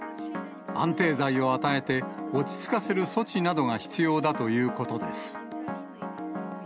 安定剤を与えて、落ち着かせる措置などが必要だということです。